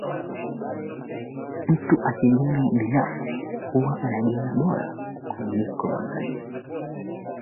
wa Amazon una maajabu ya kutosha kama Boil River